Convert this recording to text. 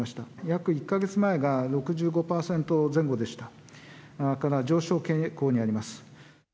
約１か月前が６５％前後から上昇傾向にあります。